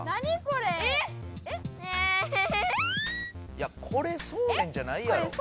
いやこれそうめんじゃないやろ。